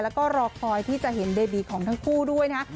แล้วก็รอคอยที่จะเห็นเบบีของทั้งคู่ด้วยนะ